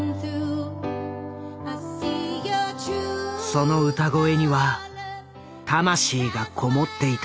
その歌声には魂がこもっていた。